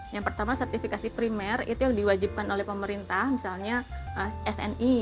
yang pertama sertifikasi primer itu yang diwajibkan oleh pemerintah misalnya sni